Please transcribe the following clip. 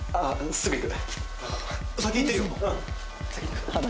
すぐ行く。